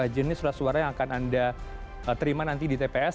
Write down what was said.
jenis surat suara yang akan anda terima nanti di tps